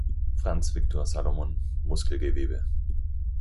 Franz-Viktor Salomon: "Muskelgewebe".